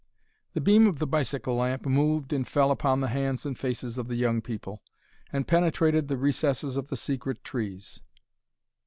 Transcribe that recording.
The beam of the bicycle lamp moved and fell upon the hands and faces of the young people, and penetrated the recesses of the secret trees.